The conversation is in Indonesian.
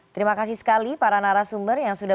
terima kasih sekali para narasumber yang sudah